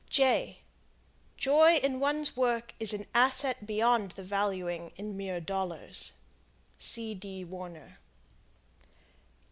Joy in one's work is an asset beyond the valuing in mere dollars. C. D. Warner.